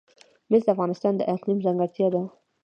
مس د افغانستان د اقلیم ځانګړتیا ده.